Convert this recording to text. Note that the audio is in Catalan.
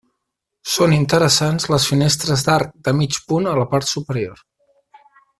Són interessants les finestres d'arc de mig punt a la part superior.